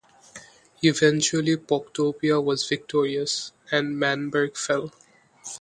Eventually, Pogtopia was victorious, and Manberg fell.